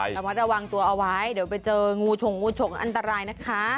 ตามเจ้าหน้าที่กูภัยระมัดระวังตัวเอาไว้เดี๋ยวไปเจองูชงงูชงอันตรายนะคะ